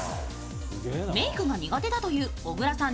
メークが苦手だという小倉さん